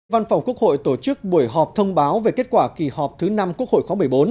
văn phòng quốc hội tổ chức buổi họp thông báo về kết quả kỳ họp thứ năm quốc hội khóa một mươi bốn